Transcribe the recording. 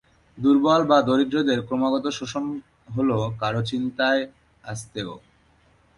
দুর্বল বা দরিদ্রদের ক্রমাগত শোষণ হল "কারো চিন্তায় আস্তেয়"।